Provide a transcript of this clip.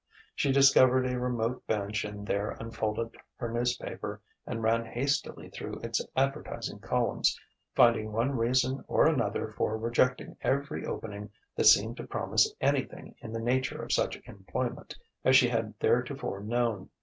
She discovered a remote bench and there unfolded her newspaper and ran hastily through its advertising columns, finding one reason or another for rejecting every opening that seemed to promise anything in the nature of such employment as she had theretofore known.